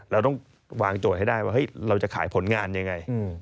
เราต้องวางโจทย์ให้ได้ว่าเราจะขายผลงานยังไง